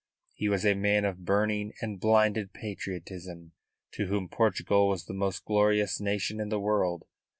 He was a man of burning and blinded patriotism, to whom Portugal was the most glorious nation in the world.